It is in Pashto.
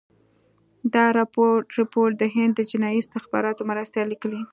دا رپوټ د هند د جنايي استخباراتو مرستیال لیکلی.